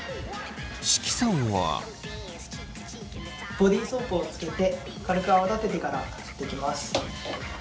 ボディソープをつけて軽く泡立ててからそっていきます。